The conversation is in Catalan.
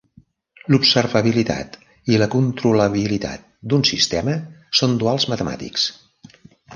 L'observabilitat i la controlabilitat d'un sistema són duals matemàtics.